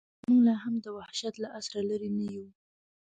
موږ لا هم د وحشت له عصره لرې نه یو.